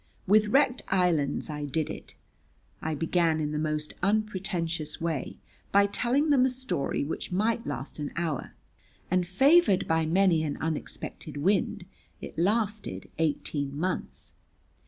With wrecked islands I did it. I began in the most unpretentious way by telling them a story which might last an hour, and favoured by many an unexpected wind it lasted eighteen months.